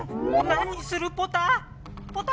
何するポタ⁉ポタ！